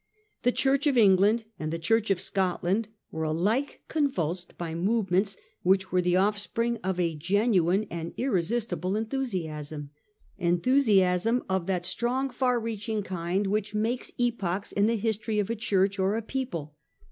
The Church of England and the Church of Scotland were alike convulsed by movements which were the offspring of a genuine and irresistible enthu siasm — enthusiasm of that strong far reachiag kind 190 A HIS TORY OF OUK OWN TIMES. cut. zz. which, makes epochts in the history of a church or a people.